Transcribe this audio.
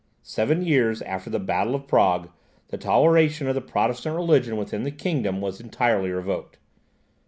Seven years after the battle of Prague, the toleration of the Protestant religion within the kingdom was entirely revoked.